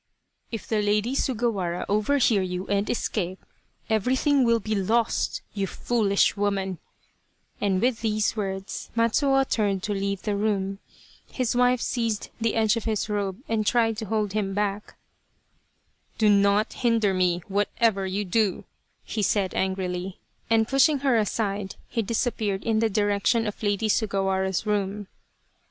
" If the Lady Sugawara overhear you and escape, everything will be lost, you foolish woman !" and with * Where Sugawara was exiled. I8 7 Loyal, Even Unto Death these words Matsuo turned to leave the room. His wife seized the edge of his robe and tried to hold him back. " Do not hinder me, whatever you do !" he said, angrily, and pushing her aside, he disappeared in the direction of Lady Sugawara's room.